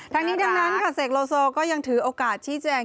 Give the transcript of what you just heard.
ทั้งนี้ดังนั้นค่ะเสกโลโซก็ยังถือโอกาสชี้แจง